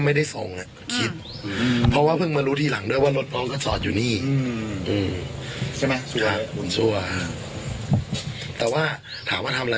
แต่ยังไงบ้างที่นี่ตอนน้องออกไปก็คือแค่สภาพเมา